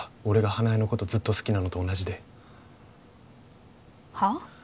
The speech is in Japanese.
俺が花枝のことずっと好きなのと同じではあ？